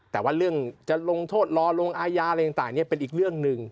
แต่ว่าเรื่องจะลงโทษรอลงอาญาอะไรต่างเป็นอีกเรื่องหนึ่ง